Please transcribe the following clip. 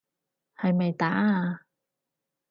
係咪打啊？